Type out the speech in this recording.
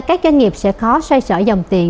các doanh nghiệp sẽ khó xoay sở dòng tiền